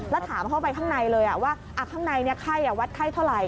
แล้วถามเข้าไปข้างในเลยว่าข้างในไข้วัดไข้เท่าไหร